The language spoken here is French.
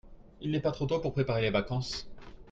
il n'est pas trop tôt pour préparer les vacances.